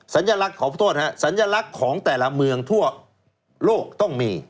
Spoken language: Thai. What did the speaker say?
สัญลักษณ์ของแต่ละเมืองทั่วโลกต้องมี